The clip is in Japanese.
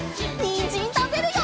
にんじんたべるよ！